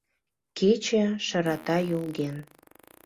Кече шырата йолген.